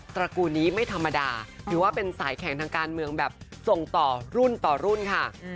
ระกูลนี้ไม่ธรรมดาถือว่าเป็นสายแข่งทางการเมืองแบบส่งต่อรุ่นต่อรุ่นค่ะ